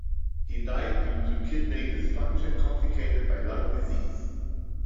He died due to kidney dysfunction complicated by lung disease.